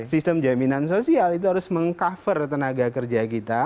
sistem jaminan sosial itu harus meng cover tenaga kerja kita